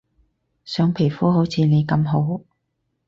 想皮膚好似你咁好